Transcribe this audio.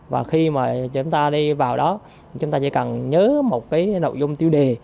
và khi mà chúng ta đi vào đó chúng ta chỉ cần nhớ một cái nội dung tiêu đề